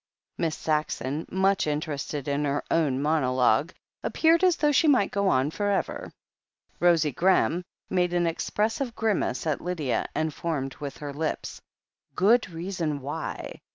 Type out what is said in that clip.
Miss Saxon, much interested in her own monologue, appeared as though she might go on for ever. Rosie Graham made an expressive grimace at Lydia, and formed with her lips : "Good reason why